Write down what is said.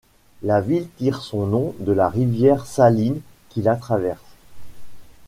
La ville tire son nom de la rivière Saline qui la traverse.